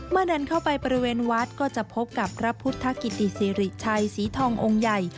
เดินเข้าไปบริเวณวัดก็จะพบกับพระพุทธกิติสิริชัยสีทององค์ใหญ่